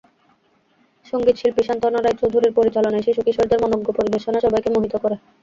সংগীত শিল্পী সান্ত্বনা রায় চৌধুরীর পরিচালনায় শিশু-কিশোরদের মনোজ্ঞ পরিবেশনা সবাইকে মোহিত করে।